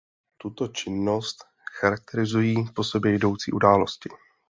Tuto činnost charakterizují po sobě jdoucí události.